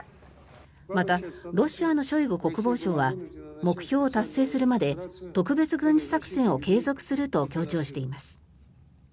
また、ロシアのショイグ国防相は目標を達成するまで特別軍事作戦を継続すると強調しています。